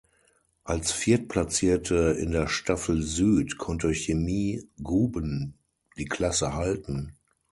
Als Viertplatzierte in der Staffel Süd konnte Chemie Guben die Klasse halten.